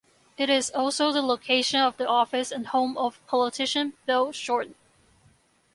It is also the location of the office and home of politician Bill Shorten.